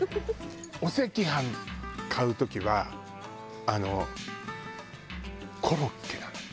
お赤飯買う時はあのコロッケなのよ。